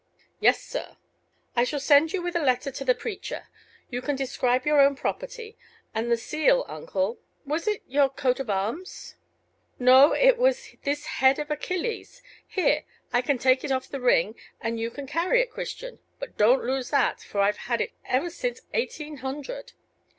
"Yes, sir." "I shall send you with a letter to the preacher. You can describe your own property. And the seal, uncle was it your coat of arms?" "No, it was this head of Achilles. Here, I can take it off the ring, and you can carry it, Christian. But don't lose that, for I've had it ever since eighteen hundred.